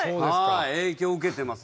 はい影響受けてます